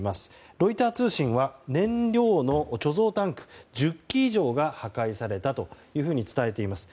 ロイター通信は燃料の貯蔵タンク１０基以上が破壊されたと伝えています。